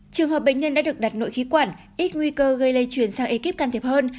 trường hợp bệnh nhân đã được đặt nội khí quản ít nguy cơ gây lây chuyển sang ekip can thiệp hơn